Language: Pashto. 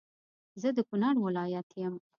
زه د کونړ ولایت يم